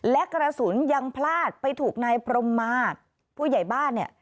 และกระสุนยังพลาดไปถูกนายพรมมาผู้ใหญ่บ้านเนี่ย